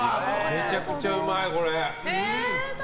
めちゃくちゃうまい、これ。